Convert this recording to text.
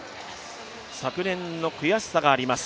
昨年の悔しさがあります